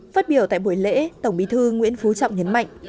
phát biểu tại buổi lễ tổng bí thư nguyễn phú trọng nhấn mạnh